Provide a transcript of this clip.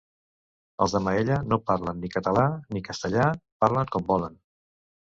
Els de Maella no parlen ni català ni castellà: parlen com volen.